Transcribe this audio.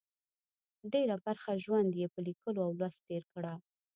ډېره برخه ژوند یې په لیکلو او لوست تېر کړه.